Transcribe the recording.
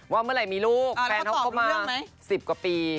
เมื่อไหร่มีลูกแฟนเขาคบมา๑๐กว่าปี